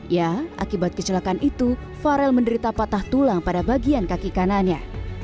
ya akibat kecelakaan itu farel menderita patah tulang pada bagian kaki kanannya